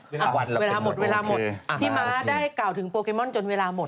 พี่ม้าได้เก่าถึงโปรแกรมอนจนเวลาหมด